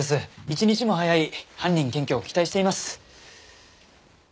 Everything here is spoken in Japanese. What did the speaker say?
一日も早い犯人検挙を期待しています。